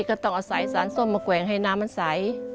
ก็ต้องอาศัยสารส้มมาแกว่งให้น้ำมันใส